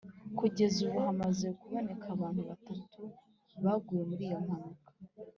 Kugeza ubu hamaze kuboneka abantu batatu baguye muri iyo mpanuka